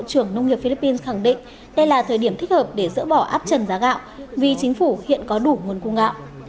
bộ trưởng nông nghiệp philippines khẳng định đây là thời điểm thích hợp để dỡ bỏ áp trần giá gạo vì chính phủ hiện có đủ nguồn cung gạo